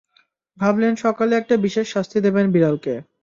ভাবলেন সকালে একটা বিশেষ শাস্তি দেবেন বিড়ালকে।